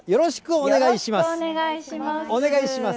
お願いします。